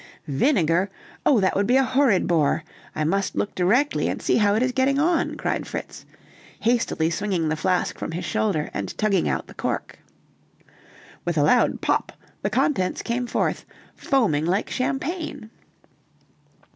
"Vinegar! Oh, that would be a horrid bore! I must look directly, and see how it is getting on," cried Fritz, hastily swinging the flask from his shoulder, and tugging out the cork. With a loud "pop" the contents came forth, foaming like champagne.